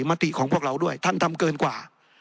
มติของพวกเราด้วยท่านทำเกินกว่า